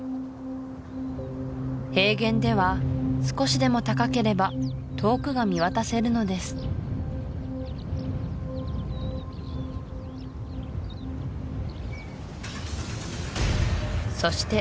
平原では少しでも高ければ遠くが見渡せるのですそして